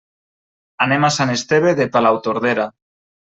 Anem a Sant Esteve de Palautordera.